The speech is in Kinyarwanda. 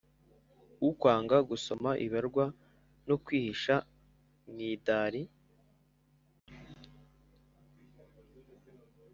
ukwanga gusoma ibarwa no kwihisha mwidari